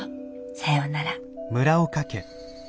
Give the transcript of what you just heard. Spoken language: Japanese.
さようなら。